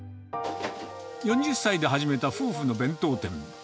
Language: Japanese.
４０歳で始めた夫婦の弁当店。